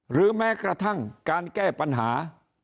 หรือแม้กระทั่งการแก้ปัญหา